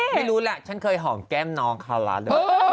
ไม่รู้ล่ะฉันเคยห่อมแก้มน้องค่ะครับ